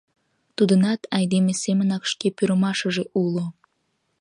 Тудынат, айдеме семынак, шке пӱрымашыже уло.